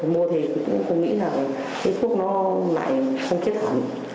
mua thì cũng nghĩ là thuốc nó lại không kết hẳn